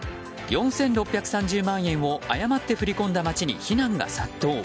４６３０万円を誤って振り込んだ町に非難が殺到。